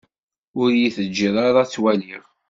Ur yi-teǧǧiḍ ara ad tt-waliɣ.